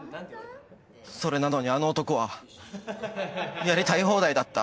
それなのにあの男はやりたい放題だった。